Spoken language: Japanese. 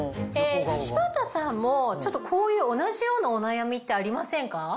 柴田さんもこういう同じようなお悩みってありませんか？